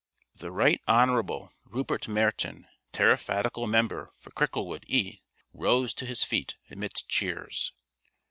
The Rt. Hon. Rupert Meryton, Tariffadical Member for Cricklewood (E.) rose to his feet amidst cheers.